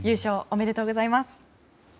おめでとうございます。